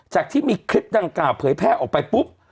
ที่มีคลิปดังกล่าวเผยแพร่ออกไปปุ๊บ